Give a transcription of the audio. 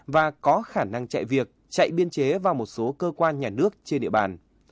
và có khả năng chạy việc chạy biên chế vào một số cơ quan nhà nước trên địa bàn